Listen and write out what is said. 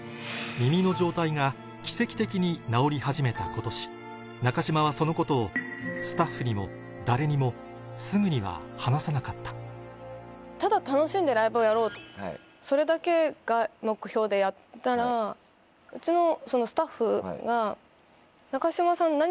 奇跡的に中島はそのことをスタッフにも誰にもすぐには話さなかったただ楽しんでライブをやろうそれだけが目標でやったらうちのスタッフが。